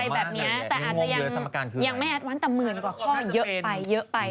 ยังไม่อัดวันตะเมืองกว่าข้อเยอะไป